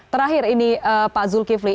terakhir ini pak zulkifli